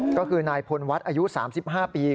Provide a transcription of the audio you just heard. ก็คือนายพลวัฒน์อายุ๓๕ปี